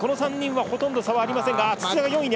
ほとんど差はありません。